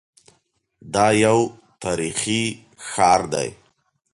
دا یو تاریخي ښار دی.